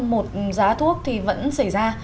một giá thuốc thì vẫn xảy ra